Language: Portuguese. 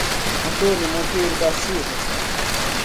Antônio Monteiro da Silva